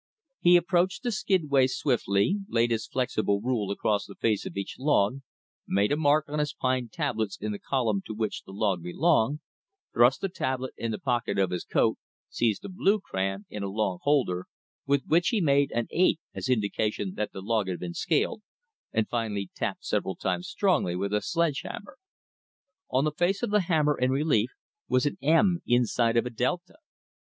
He approached the skidway swiftly, laid his flexible rule across the face of each log, made a mark on his pine tablets in the column to which the log belonged, thrust the tablet in the pocket of his coat, seized a blue crayon, in a long holder, with which he made an 8 as indication that the log had been scaled, and finally tapped several times strongly with a sledge hammer. On the face of the hammer in relief was an M inside of a delta.